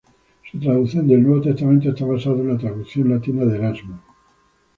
Su traducción del Nuevo Testamento está basada en la traducción latina de Erasmo.